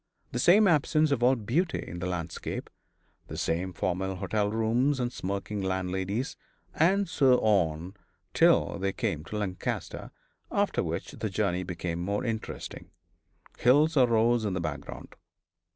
The same absence of all beauty in the landscape the same formal hotel rooms, and smirking landladies and so on till they came to Lancaster, after which the country became more interesting hills arose in the background.